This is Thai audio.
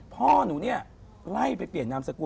พ่อหนูเนี่ยไล่ไปเปลี่ยนนามสกุล